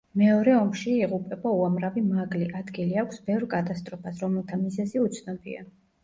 მეორე ომში იღუპება უამრავი მაგლი, ადგილი აქვს ბევრ კატასტროფას, რომელთა მიზეზი უცნობია.